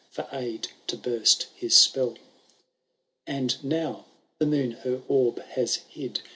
For aid to burst his spelL V. And now the moon her orb has hid.